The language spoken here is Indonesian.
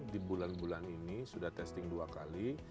di bulan bulan ini sudah testing dua kali